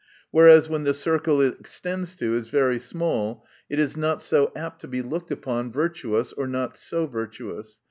Whereas, when the circle it extends to, is very small, it is not so apt to be looked upon as virtuous, or not so virtuous.